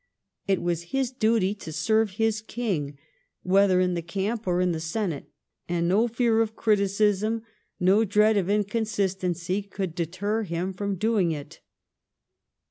It was his duty to serve his King whether in the camp or in the senate, and no fear of criticism, no dread of inconsistency, could deter him from doing it.